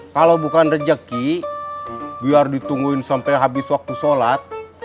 kalau bukan rejeki biar ditungguin sampai habis waktu sholat